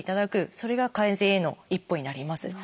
それが改善への一歩になります。